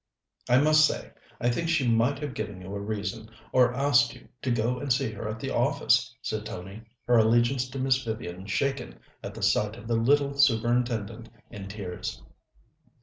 "I must say, I think she might have given you a reason, or asked you to go and see her at the office," said Tony, her allegiance to Miss Vivian shaken at the sight of the little Superintendent in tears.